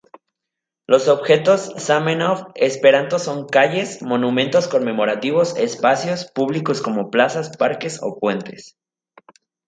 Los objetos Zamenhof-Esperanto son calles, monumentos conmemorativos, espacios públicos como plazas, parques o puentes.